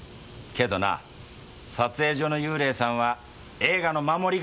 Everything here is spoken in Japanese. けどな撮影所の幽霊さんは映画の守り神や。